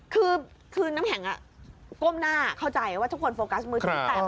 คือน้ำแข็งก้มหน้าเข้าใจว่าทุกคนโฟกัสมือถือแตก